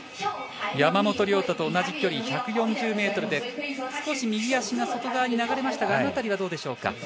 山本涼太と同じ距離１４０ｍで少し右足が外側に流れましたがあの辺りはどうでしょうか。